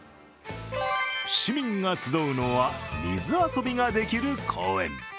市民が集うのは水遊びができる公園。